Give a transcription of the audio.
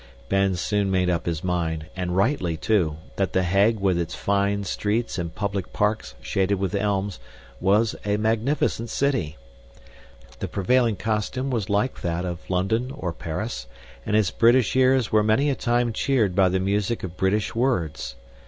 Ben soon made up his mind, and rightly, too, that The Hague with its fine streets and public parks shaded with elms, was a magnificent city. The prevailing costume was like that of London or Paris, and his British ears were many a time cheered by the music of British words.